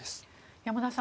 山田さん